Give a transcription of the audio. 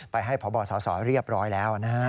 ไปให้พบสสเรียบร้อยแล้วนะฮะ